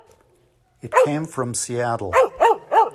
It came from Seattle.